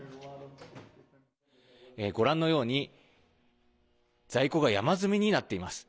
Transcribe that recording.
ご覧のように在庫が山積みになっています。